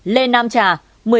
lê nam trà một mươi sáu năm tù